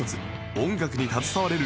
音楽に携われる